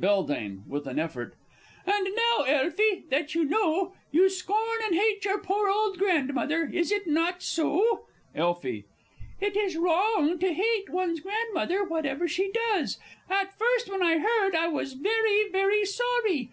_ (with an effort). And now, Elfie, that you know, you scorn and hate your poor old Grandmother is it not so? Elfie. It is wrong to hate one's Grandmother, whatever she does. At first when I heard, I was very, very sorry.